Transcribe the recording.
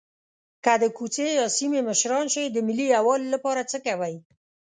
که د کوڅې یا سیمې مشران شئ د ملي یووالي لپاره څه کوئ.